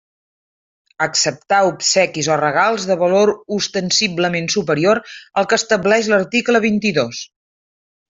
Acceptar obsequis o regals de valor ostensiblement superior al que estableix l'article vint-i-dos.